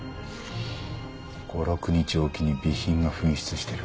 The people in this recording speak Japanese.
５６日置きに備品が紛失してる。